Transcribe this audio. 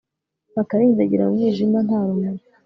bakarindagira mu mwijima, nta rumuri